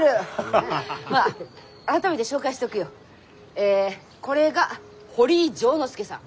えこれが堀井丈之助さん。